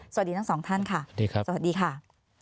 สวัสดีทั้งสองท่านค่ะสวัสดีครับสวัสดีค่ะ